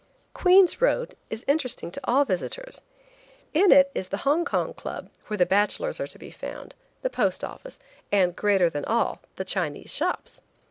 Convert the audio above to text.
Queen's road is interesting to all visitors. In it is the Hong Kong Club, where the bachelors are to be found, the post office, and greater than all, the Chinese shops.